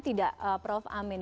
tidak prof amin